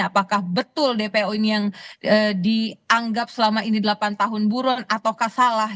apakah betul dpo ini yang dianggap selama ini delapan tahun buron ataukah salah